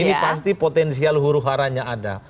ini pasti potensial huru haranya ada